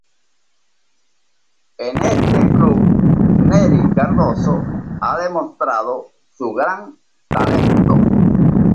En este club Neri Cardozo ha demostrado su gran talento.